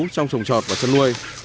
trong trồng trọt và chân nuôi